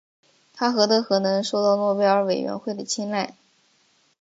他何德何能受到诺贝尔委员会的青睐。